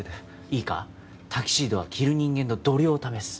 いいかタキシードは着る人間の度量を試す。